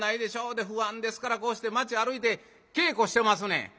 で不安ですからこうして街歩いて稽古してますねん」。